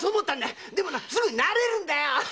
でもすぐ慣れるんだよ。